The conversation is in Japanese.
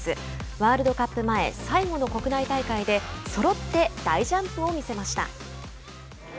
ワールドカップ前最後の国内大会でそろって大ジャンプを見せました。